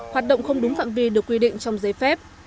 hoạt động không đúng phạm vi được quy định trong giấy phép